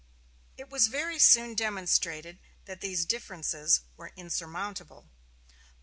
It was very soon demonstrated that these differences were insurmountable.